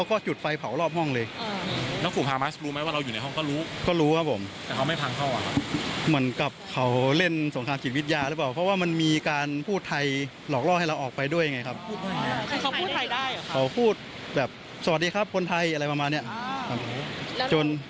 กลุ่มฮามาสพูดว่ามันนานเหมือนเขาฝึกมาแล้วเหมือนเขาต้องการเอาคนไทยโดยตรง